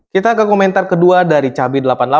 kita ke komentar kedua dari cabai delapan puluh delapan